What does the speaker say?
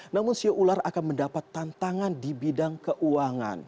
namun siu ular akan mendapat tantangan di bidang keuangan